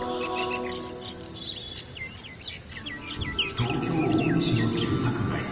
東京・青梅市の住宅街。